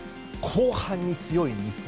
後半に強い日本。